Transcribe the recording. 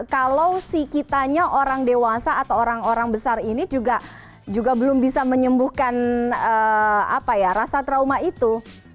kalau si kitanya orang dewasa atau orang orang besar ini juga belum bisa menyembuhkan rasa trauma itu